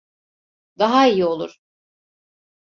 Daha iyi olur.